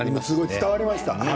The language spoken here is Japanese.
伝わりました。